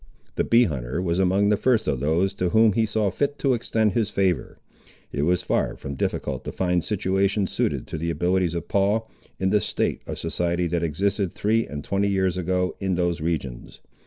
The bee hunter was among the first of those to whom he saw fit to extend his favour. It was far from difficult to find situations suited to the abilities of Paul, in the state of society that existed three and twenty years ago in those regions.